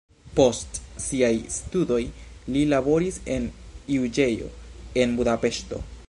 Post siaj studoj li laboris en juĝejo en Budapeŝto.